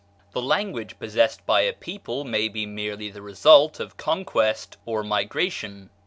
The language possessed by a people may be merely the result of conquest or migration.